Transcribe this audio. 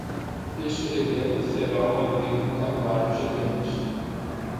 Este rebento será uma vez um carvalho gigante.